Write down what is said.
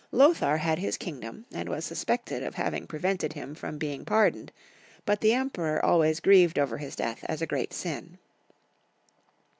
Lothar had his kingdom, and was sus pected of having prevented him from being par doned ; but the Emperor always giieved over his death tvs a great sin.